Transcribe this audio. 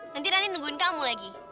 nanti rani nungguin kamu lagi